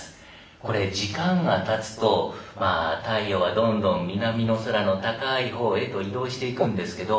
これ時間がたつとまあ太陽はどんどん南の空の高い方へと移動していくんですけど。